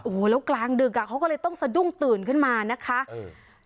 โอ้โหแล้วกลางดึกอ่ะเขาก็เลยต้องสะดุ้งตื่นขึ้นมานะคะเออ